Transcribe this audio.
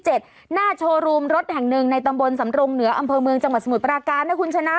หน้าโชว์รูมรถแห่งหนึ่งในตำบลสำรงเหนืออำเภอเมืองจังหวัดสมุทรปราการนะคุณชนะ